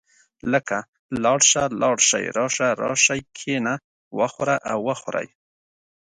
لکه لاړ شه، لاړ شئ، راشه، راشئ، کښېنه، وخوره او وخورئ.